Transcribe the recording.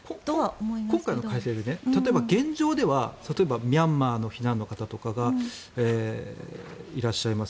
今回の改正で、現状ではミャンマーの避難の方とかいらっしゃいます。